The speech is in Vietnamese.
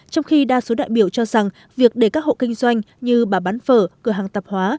trong khi đa số đại biểu cho rằng việc để các hộ kinh doanh như bà bán phở cửa hàng tạp hóa